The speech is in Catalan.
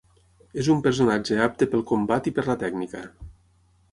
És un personatge apte pel combat i per la tècnica.